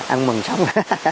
ăn mừng sống